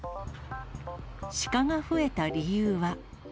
シカが増えた理由は。